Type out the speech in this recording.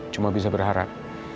cuma bisa berharap